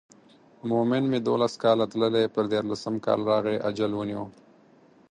مومن مې دولس کاله تللی پر دیارلسم کال راغی اجل ونیو.